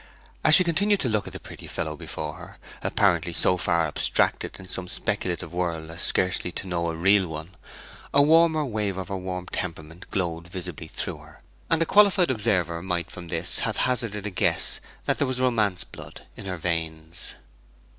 As she continued to look at the pretty fellow before her, apparently so far abstracted into some speculative world as scarcely to know a real one, a warmer wave of her warm temperament glowed visibly through her, and a qualified observer might from this have hazarded a guess that there was Romance blood in her veins.